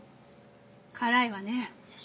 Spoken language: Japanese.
辛いわね。